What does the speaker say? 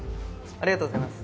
ありがとうございます。